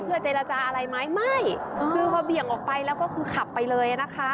เจรจาอะไรไหมไม่คือพอเบี่ยงออกไปแล้วก็คือขับไปเลยนะคะ